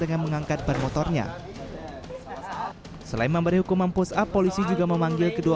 dengan mengangkat bar motornya selain memberi hukuman push up polisi juga memanggil kedua